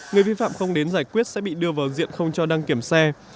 người vi phạm không đến giải quyết sẽ bị đưa vào diện không cho đăng kiểm xe